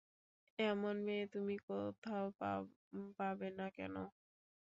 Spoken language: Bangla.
এমন মেয়ে তুমি কোথাও পাবে না কেন?